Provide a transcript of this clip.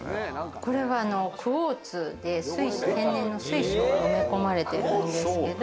これはクオーツで、天然の水晶が埋め込まれてるんですけど。